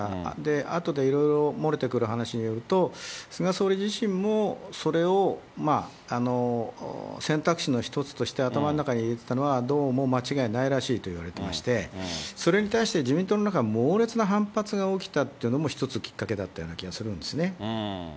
あとでいろいろ、漏れてくる話によると、菅総理自身もそれを選択肢の一つとして頭の中に入れてたのは、どうも間違いないらしいといわれてまして、それに対して自民党の中、猛烈な反発が起きたというのも、一つきっかけだったような気がするんですね。